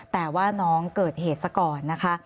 แต่ว่าน้องเกิดเหตุซะก่อนนะคะ